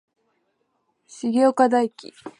重岡大毅